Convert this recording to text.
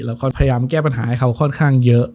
เราก็พยายามแก้ปัญหาให้เขาค่อนข้างเยอะ